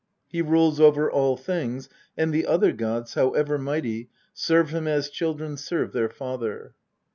He rules over all things, and the other gods, however mighty, serve him as children serve their father."